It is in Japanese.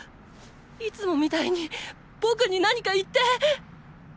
いつもみたいに僕に何か言って。